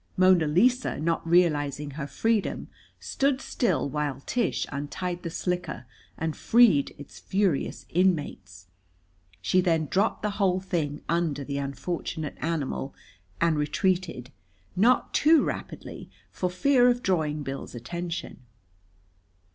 Mona Lisa, not realizing her freedom, stood still while Tish untied the slicker and freed its furious inmates. She then dropped the whole thing under the unfortunate animal, and retreated, not too rapidly, for fear of drawing Bill's attention.